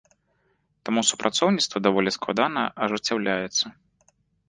Таму супрацоўніцтва даволі складана ажыццяўляецца.